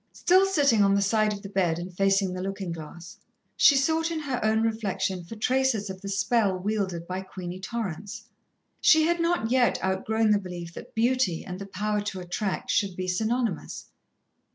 Still sitting on the side of the bed and facing the looking glass, she sought in her own reflection for traces of the spell wielded by Queenie Torrance. She had not yet outgrown the belief that beauty and the power to attract should be synonymous.